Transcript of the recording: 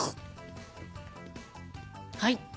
はい。